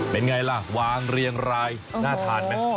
เป็นไงล่ะวางเรียงรายน่าทานไหม